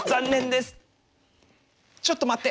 ちょっと待って！